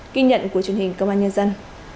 kinh nhận của truyền hình công an nhân dân